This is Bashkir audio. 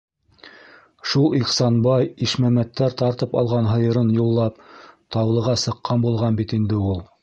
Шул Ихсанбай, Ишмәмәттәр тартып алған һыйырын юллап Таулыға сыҡҡан булған бит инде ул...